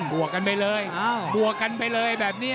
วกกันไปเลยบวกกันไปเลยแบบนี้